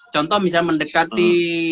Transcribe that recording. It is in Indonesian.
contoh misalnya mendekati